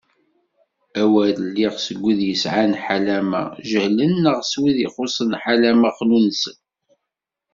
A wer iliɣ seg wid yesɛan ḥalama jehlen neɣ seg wid ixuṣṣen ḥalama xnunesen.